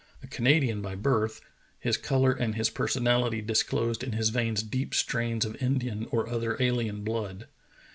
A Canadian by birth, his color and his personality disclosed in his veins deep strains of Indian or other alien blood.